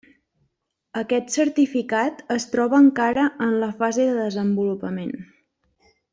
Aquest certificat es troba encara en la fase de desenvolupament.